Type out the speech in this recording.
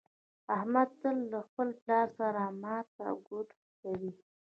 احمد تل له خپل پلار سره ماته ګوډه کوي.